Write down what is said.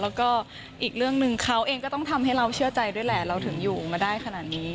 แล้วก็อีกเรื่องหนึ่งเขาเองก็ต้องทำให้เราเชื่อใจด้วยแหละเราถึงอยู่มาได้ขนาดนี้